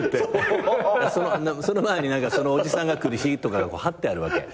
その前にそのおじさんが来る日とか張ってあるわけ。